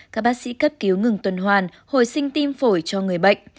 các bác sĩ cấp cứu ngừng tuần hoàn hồi sinh tim phổi cho người bệnh